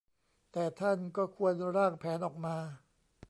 แต่ท่านก็ควรร่างแผนออกมา